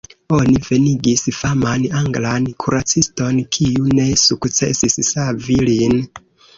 Oni venigis faman anglan kuraciston, kiu ne sukcesis savi lin.